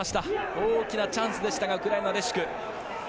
大きなチャンスでしたウクライナ、レシュク。